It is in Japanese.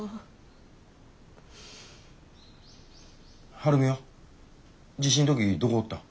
晴美は地震の時どこおったん？